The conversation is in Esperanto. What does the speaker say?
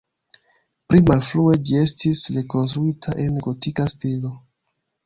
Pli malfrue ĝi estis rekonstruita en gotika stilo.